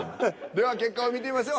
では結果を見てみましょう。